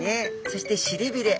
そしてしりびれ。